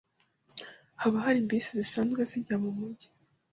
Haba hari bisi zisanzwe zijya mumujyi?